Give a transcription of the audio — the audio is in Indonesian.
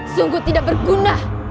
sungguh tidak berguna